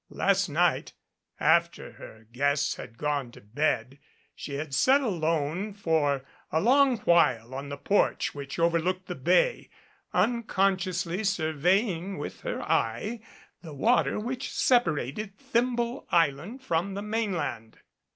Last night after her guests had gone 36 MAEOONED to bed she had sat alone for a long while on the porch which overlooked the bay, unconsciously surveying with her eye the water which separated Thimble Island from the mainland.